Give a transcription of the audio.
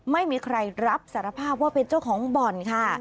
ไม่มีใครรับสารภาพว่าเป็นเจ้าของบ่อนค่ะ